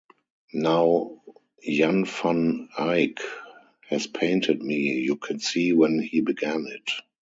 Now Jan van Eyck has painted me, you can see when he began it.